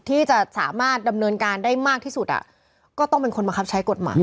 ที่จะสามารถดำเนินการได้มากที่สุดก็ต้องเป็นคนบังคับใช้กฎหมาย